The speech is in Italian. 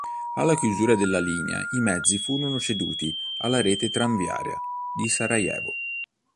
Alla chiusura della linea i mezzi furono ceduti alla rete tranviaria di Sarajevo.